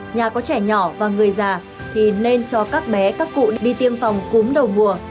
nhà có trẻ nhỏ và người già thì nên cho các bé các cụ đi tiêm phòng cúm đầu mùa